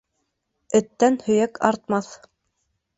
Эттән һөйәк артмаҫ.